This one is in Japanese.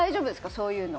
そういうの。